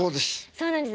そうなんです。